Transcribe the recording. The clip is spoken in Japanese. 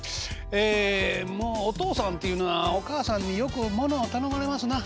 ええもうおとうさんというのはおかあさんによくものを頼まれますな。